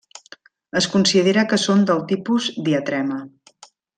Es considera que són del tipus diatrema.